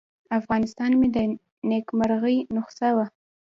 افغانستان مې د نیکمرغۍ نسخه وه.